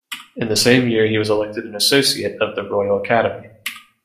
In the same year he was elected an associate of the Royal Academy.